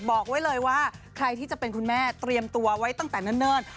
บอกไว้เลยว่าใครที่จะเป็นคุณแม่เตรียมตัวไว้ตั้งแต่เนิ่น